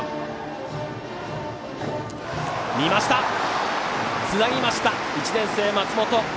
見ました、つなぎました１年生、松本。